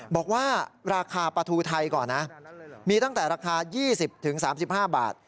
บอกว่าราคาปลาทูไทยก่อนนะมีตั้งแต่ราคา๒๐๓๕บาท